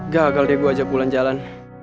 gagal deh gue ajak bulan jalan